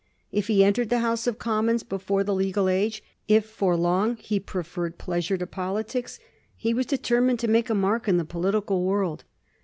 If he entered the House of Commons before the legal age, if for long he preferred pleasure to politics, he was de termined to make a mark in the political world.